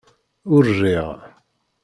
Ur riɣ